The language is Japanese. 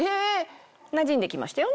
なじんできましたよね。